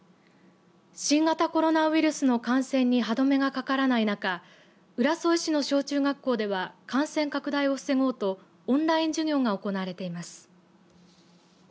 新型コロナウイルスの感染に歯止めがかからない中浦添市の小中学校では感染拡大を防ごうとオンライン授業が行われています。